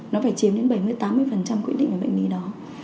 nó phải chiếm đến bảy mươi tám mươi quyết định về bệnh lý đó